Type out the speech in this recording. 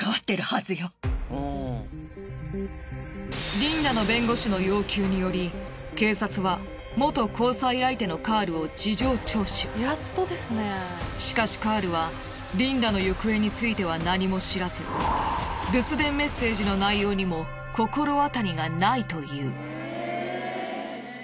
リンダの弁護士の要求によりしかしカールはリンダの行方については何も知らず留守電メッセージの内容にも心当たりがないという。